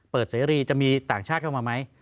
เสรีจะมีต่างชาติเข้ามาไหม